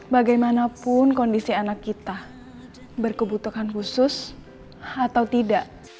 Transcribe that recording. bagaimanapun kondisi anak kita berkebutuhan khusus atau tidak